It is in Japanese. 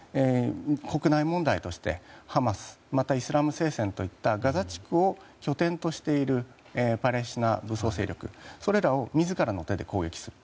国内問題としてハマスやイスラム聖戦といったガザ地区を拠点としているパレスチナ武装勢力を自らの手で攻撃する。